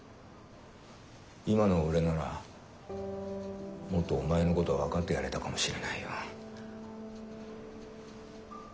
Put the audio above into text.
今の俺ならもっとお前のこと分かってやれたかもしれないよな。